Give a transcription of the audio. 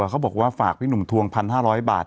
เขาบอกว่าฝากพี่หนุ่มทวง๑๕๐๐บาท